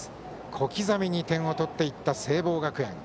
小刻みに点を取っていった聖望学園。